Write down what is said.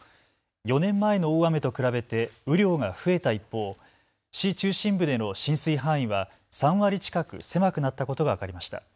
４年前の大雨と比べて雨量が増えた一方、市中心部での浸水範囲は３割近く狭くなったことが分かりました。